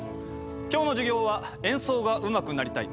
今日の授業は演奏がうまくなりたい